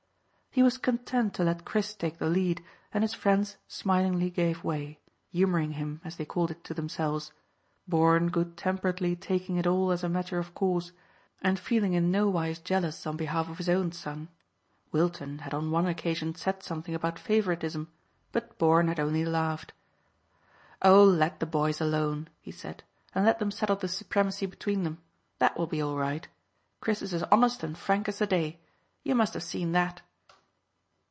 He was content to let Chris take the lead, and his friends smilingly gave way, humouring him, as they called it to themselves, Bourne good temperedly taking it all as a matter of course, and feeling in nowise jealous on behalf of his own son. Wilton had on one occasion said something about favouritism, but Bourne had only laughed. "Oh, let the boys alone," he said, "and let them settle the supremacy between them. That will be all right. Chris is as honest and frank as the day. You must have seen that."